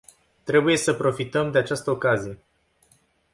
Trebuie să profităm de această ocazie.